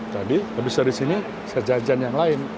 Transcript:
jadi habis dari sini sejajan yang lain